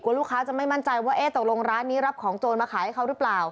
ลูกค้าจะไม่มั่นใจว่าเอ๊ะตกลงร้านนี้รับของโจรมาขายให้เขาหรือเปล่า